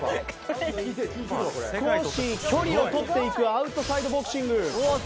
少し距離を取っていくアウトサイドボクシング。